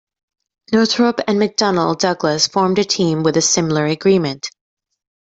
Northrop and McDonnell Douglas formed a team with a similar agreement.